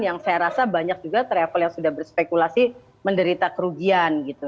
yang saya rasa banyak juga travel yang sudah berspekulasi menderita kerugian gitu